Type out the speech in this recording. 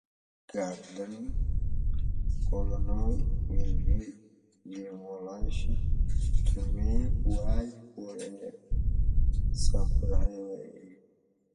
A public garden colony will be demolished to make way for a superhighway.